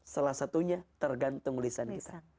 salah satunya tergantung lisan kita